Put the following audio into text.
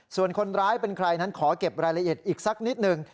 ส่วนคนร้ายเป็นใครนั้นขอเก็บรายละเอียดอีกสักนิดหนึ่ง